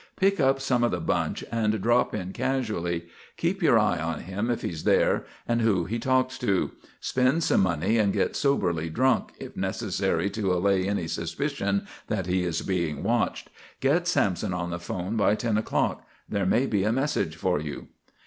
"Pick up some of the bunch and drop in casually. Keep your eye on him if he's there, and who he talks to. Spend money and get soberly drunk, if necessary to allay any suspicion that he is being watched. Get Sampson on the 'phone by ten o'clock. There may be a message for you."